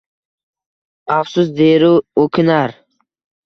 Afsus!» deru o’kinar.